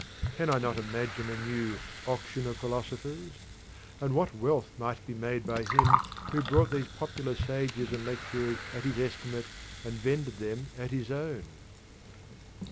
Can I not imagine a new 'Auction of Philosophers,' and what wealth might be made by him who bought these popular sages and lecturers at his estimate, and vended them at their own?